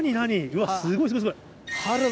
うわすごいすごい。